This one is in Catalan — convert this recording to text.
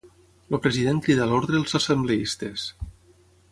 El president cridà a l'ordre els assembleistes.